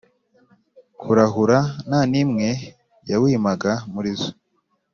kurahura nta n imwe yawimaga Muri zo